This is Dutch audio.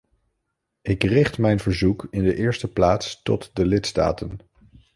Ik richt mijn verzoek in de eerste plaats tot de lidstaten.